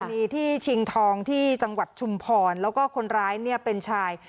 มีที่ชิงทองที่จังหวัดชุมพรแล้วก็คนร้ายเนี่ยเป็นชาย